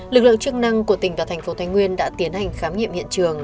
lực lượng chức năng của tỉnh và tp thánh nguyên đã tiến hành khám nghiệm hiện trường